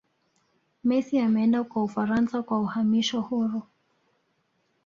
messi ameenda kwa ufaransa kwa uhamisho huru